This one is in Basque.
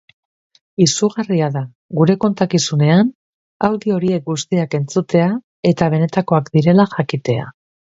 Izugarria da gure kontakizunean audio horiek guztiak entzutea eta benetakoak direla jakitea.